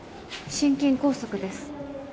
心筋梗塞です。